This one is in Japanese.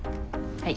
はい。